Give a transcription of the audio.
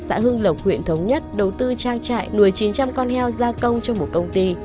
xã hưng lộc huyện thống nhất đầu tư trang trại nuôi chín trăm linh con heo gia công cho một công ty